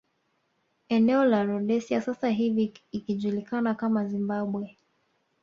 Eneo la Rhodesia sasa hivi ikijulikana kama Zimbabwe